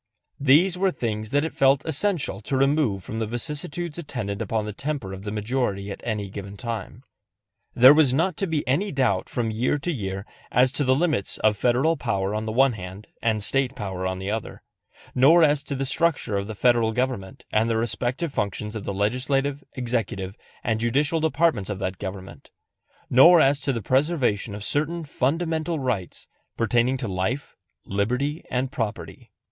These were things that it was felt essential to remove from the vicissitudes attendant upon the temper of the majority at given time. There was not to be any doubt from year to year as to the limits of Federal power on the one hand and State power on the other; nor as to the structure of the Federal government and the respective functions of the legislative, executive, and judicial departments of that government; nor as to the preservation of certain fundamental rights pertaining to life, liberty and property.